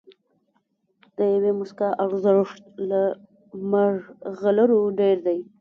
د یوې موسکا ارزښت له مرغلرو ډېر دی.